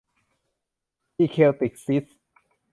อิเคลติคซิสม์